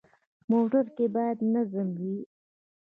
موټر کې باید نظم وي.